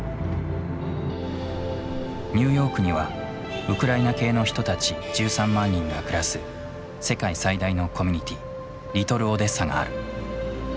ニューヨークにはウクライナ系の人たち１３万人が暮らす世界最大のコミュニティーリトルオデッサがある。